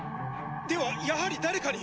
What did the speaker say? ではやはり誰かに！」